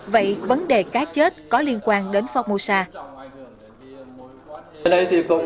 vậy vấn đề cá chết có liên quan đến formosa